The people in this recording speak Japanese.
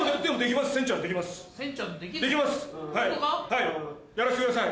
はいやらせてください。